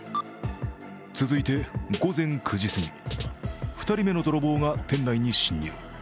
続いて午前９時すぎ、２人目の泥棒が店内に侵入。